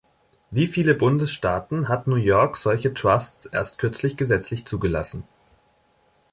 Wie viele Bundesstaaten hat New York solche Trusts erst kürzlich gesetzlich zugelassen.